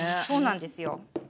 そうなんですよ。